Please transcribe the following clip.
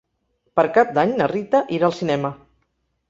Per Cap d'Any na Rita irà al cinema.